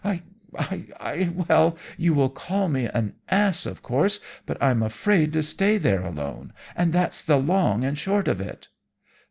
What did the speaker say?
I I well, you will call me an ass, of course, but I'm afraid to stay there alone, and that's the long and short of it.'